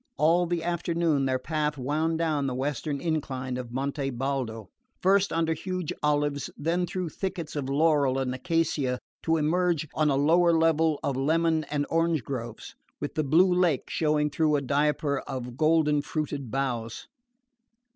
All the afternoon their path wound down the western incline of Monte Baldo, first under huge olives, then through thickets of laurel and acacia, to emerge on a lower level of lemon and orange groves, with the blue lake showing through a diaper of golden fruited boughs.